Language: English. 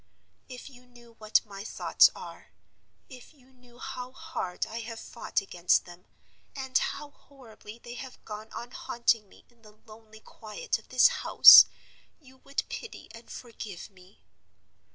If you knew what my thoughts are; if you knew how hard I have fought against them, and how horribly they have gone on haunting me in the lonely quiet of this house, you would pity and forgive me.